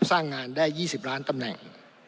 สร้างงานได้๒๐ล้านตำแหน่ง